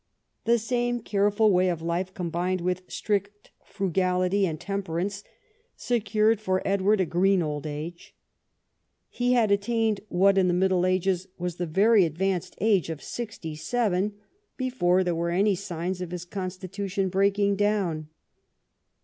The same careful way of life, combined with strict frugality and temperance, secured for Edward a green old age. He had attained what in the Middle Ages was the very advanced age of sixty seven before there were any signs of his constitution breaking down.